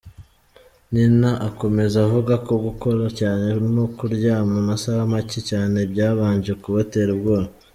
Nina akomeza avuga ko gukora cyane no kuryama amasaha make cyane byabanje kubatera ubwoba.